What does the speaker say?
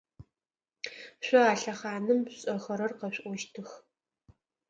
Шъо а лъэхъаным шъушӏэхэрэр къэшъуӏощтых.